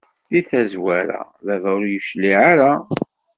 Di tazwara baba ur yecliɛ ara.